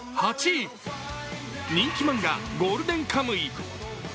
人気漫画「ゴールデンカムイ」。